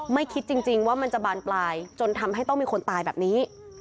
คิดจริงว่ามันจะบานปลายจนทำให้ต้องมีคนตายแบบนี้